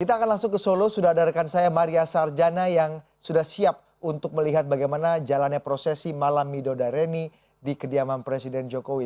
kita akan langsung ke solo sudah ada rekan saya maria sarjana yang sudah siap untuk melihat bagaimana jalannya prosesi malam midodareni di kediaman presiden jokowi